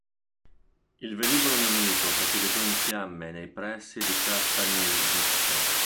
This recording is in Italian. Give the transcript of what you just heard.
Il velivolo nemico precipitò in fiamme nei pressi di Castagnevizza.